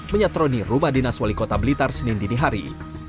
menyatroni rumah dinas wali kota blitar senin dinihari